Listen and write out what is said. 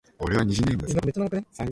俺は虹ネームだぞ